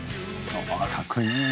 「かっこいいね」